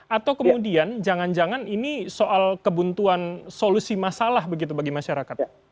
atau kemudian jangan jangan ini soal kebuntuan solusi masalah begitu bagi masyarakat